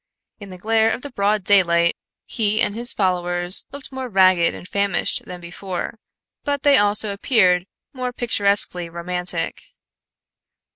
In the glare of the broad daylight he and his followers looked more ragged and famished than before, but they also appeared more picturesquely romantic.